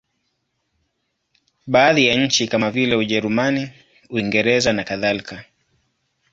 Baadhi ya nchi kama vile Ujerumani, Uingereza nakadhalika.